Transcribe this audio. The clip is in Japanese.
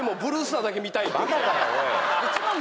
バカかよおい。